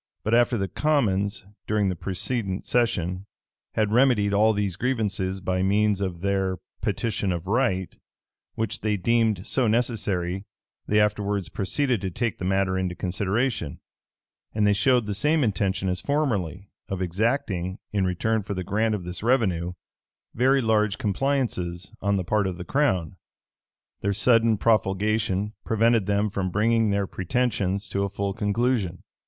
But after the commons, during the precedent session, had remedied all these grievances by means of their petition of right, which they deemed so necessary, they afterwards proceeded to take the matter into consideration, and they showed the same intention as formerly, of exacting, in return for the grant of this revenue, very large compliances on the part of the crown. Their sudden profulgation prevented them from bringing their pretensions to a full conclusion.